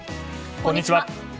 こんにちは。